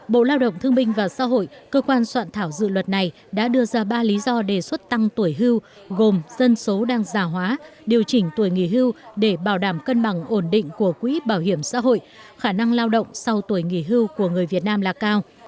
bộ lao động thương minh và xã hội cơ quan soạn thảo dự luật này đã đưa ra ba lý do đề xuất tăng tuổi hưu gồm dân số đang già hóa điều chỉnh tuổi nghỉ hưu để bảo đảm cân bằng ổn định của quỹ bảo hiểm xã hội khả năng lao động sau tuổi nghỉ hưu của người việt nam là cao